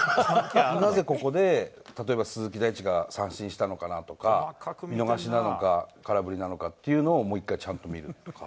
なぜここで、例えば鈴木大地が三振したのかなとか、見逃しなのか、空振りなのかっていうのを、もう一回、ちゃんと見るとか。